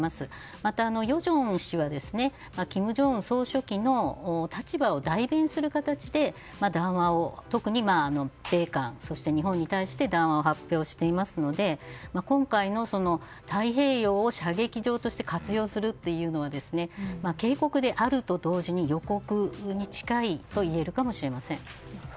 また、与正氏は金正恩総書記の立場を代弁する形で米韓、日本に対し談話を発表していますので今回の、太平洋を射撃場として活用するというのは警告であると同時に予告に近いといえるかもしれません。